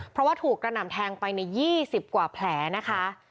เพราะว่าถูกกระหน่ำแทงไปใน๒๐กว่าแผลนะคะ